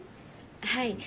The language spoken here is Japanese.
はい。